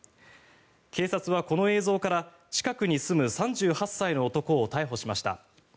警察はこの映像から近くに住む３８歳の男を逮捕しました。